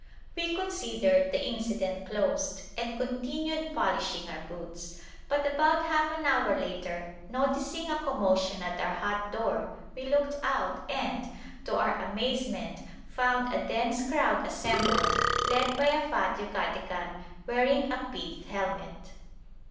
We considered the incident closed, and continued polishing our boots. But about half an hour later, noticing a commotion at our hut door we looked out and, to our amazement, found a dense crowd assembled led by a fat Yucatecan, wearing a pith helmet.